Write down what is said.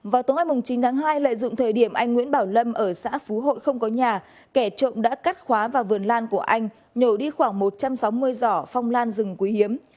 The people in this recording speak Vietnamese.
vào tối ngày chín tháng hai lợi dụng thời điểm anh nguyễn bảo lâm ở xã phú hội không có nhà kẻ trộm đã cắt khóa vào vườn lan của anh nhổ đi khoảng một trăm sáu mươi giỏ phong lan rừng quý hiếm